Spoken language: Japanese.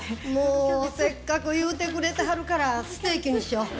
もうせっかく言うてくれてはるからステーキにしよ。